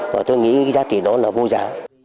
và tôi nghĩ giá trị đó là vô giá